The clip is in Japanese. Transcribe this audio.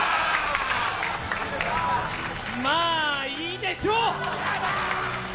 まあ、いいでしょう！